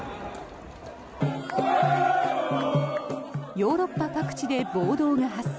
ヨーロッパ各地で暴動が発生。